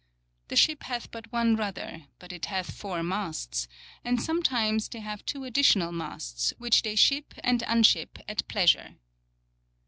The ship hath but one rudder, but it hath four masts ; and some times they have two additional masts, which they ship and unship at pleasure.